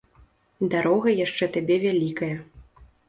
Дарога яшчэ табе вялікая.